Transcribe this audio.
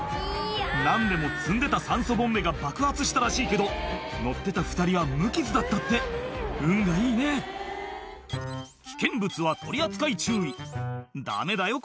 何でも積んでた酸素ボンベが爆発したらしいけど乗ってた２人は無傷だったって運がいいね危険物は取り扱い注意ダメだよ